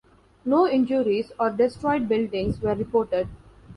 No injuries or destroyed buildings were reported.